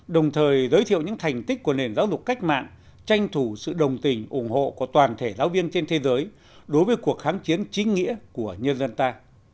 đồng thời giới thiệu những thành tích của nền giáo dục cách mạng tranh thủ sự đồng tình ủng hộ của toàn thể giáo viên trên thế giới đối với cuộc kháng chiến chính nghĩa của nhân dân ta